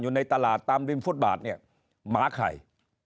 อยู่ในตลาดตามริมฟุตบาทเนี่ยหมาใคร